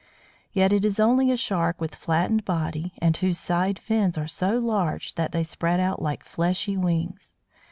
Yet it is only a Shark with flattened body, and whose side fins are so large that they spread out like fleshy wings.